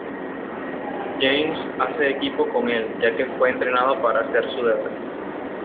James hace equipo con el ya que fue entrenado para hacer su deber.